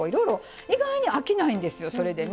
意外に飽きないんですよそれでね。